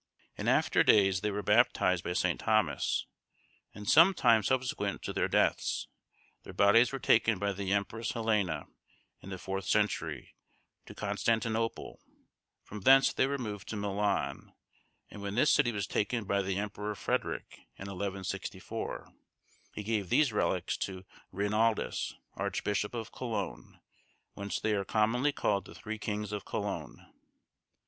In after days they were baptised by St. Thomas, and some time subsequent to their deaths, their bodies were taken by the Empress Helena, in the fourth century, to Constantinople; from thence they were moved to Milan; and when this city was taken by the Emperor Frederick, in 1164, he gave these relics to Reinaldus, Archbishop of Cologne, whence they are commonly called the Three Kings of Cologne.